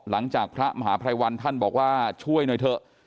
พระมหาภัยวันท่านบอกว่าช่วยหน่อยเถอะ